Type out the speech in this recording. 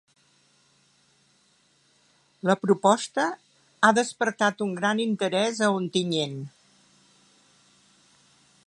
La proposta ha despertat un gran interès a Ontinyent.